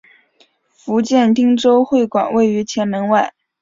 福建汀州会馆位于前门外。